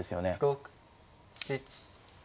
６７。